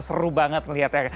seru banget melihatnya